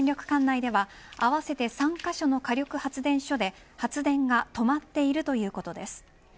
管内では合わせて３カ所の火力発電所で発電が止まっているということです。